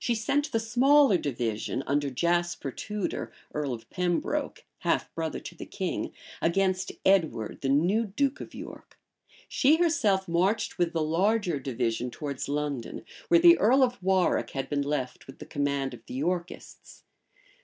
She sent the smaller division, under Jasper Tudor, earl of Pembroke, half brother to the king, against Edward the new duke of York. She herself marched with the larger division towards London, where the earl of Warwick had been left with the command of the Yorkists.